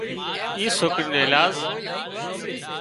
اي سوڪري نو ايلاز